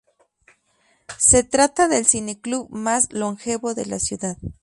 Se trata del cineclub más longevo de la ciudad.